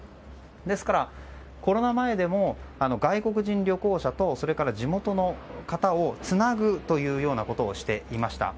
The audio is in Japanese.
ですから、コロナ前でも外国人旅行者とそれから地元の方をつなぐというようなことをしていました。